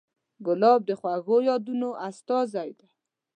ګلاب د خوږو یادونو استازی دی.